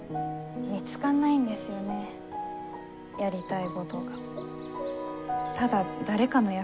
見つかんないんですよねやりたいごどが。